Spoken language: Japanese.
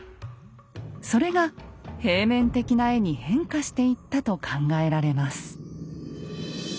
それが平面的な絵に変化していったと考えられます。